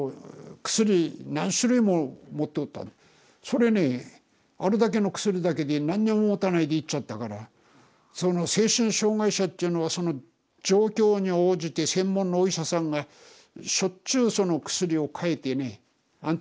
それねあれだけの薬だけで何にも持たないで行っちゃったからその精神障害者っていうのはその状況に応じて専門のお医者さんがしょっちゅうその薬をかえてね安定させんですよ。